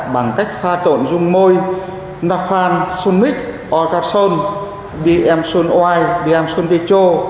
bằng cách pha trộn dung môi nafan sumix orcasol bm sul y bm sul ti cho